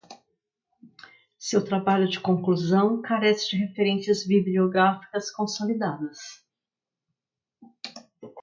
Seu trabalho de conclusão carece de referências bibliográficas consolidadas